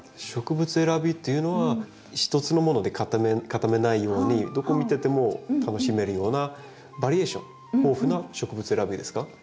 植物選びっていうのは一つのもので固めないようにどこ見てても楽しめるようなバリエーション豊富な植物選びですか？